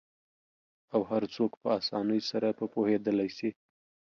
او هرڅوک په آسانۍ سره په پوهیدالی سي